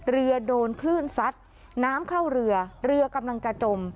เรือโดนคลื่นซัดน้ำเข้าเรือเรือกำลังจะจม